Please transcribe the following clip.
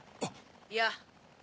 いや。